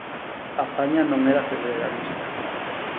Azaña non era federalista.